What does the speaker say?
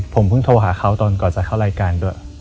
ผมเพิ่งโทรหาเขาตอนก่อนจะเข้ารายการด้วย